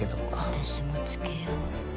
私もつけよう。